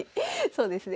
そうですね